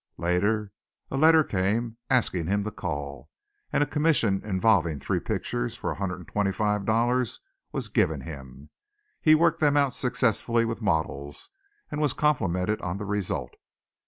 Later a letter came asking him to call, and a commission involving three pictures for $125 was given him. He worked them out successfully with models and was complimented on the result.